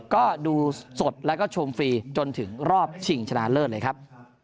ก็ดูสดแล้วก็ชมฟรีจนถึงรอบชิงชนะเลิศเลยครับ